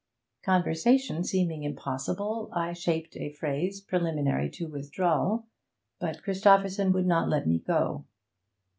Conversation seeming impossible, I shaped a phrase preliminary to withdrawal; but Christopherson would not let me go.